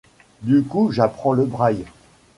Du coup j'apprends le braille.